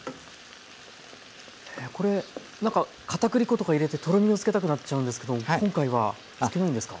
これなんかかたくり粉とか入れてとろみをつけたくなっちゃうんですけど今回はつけないんですか？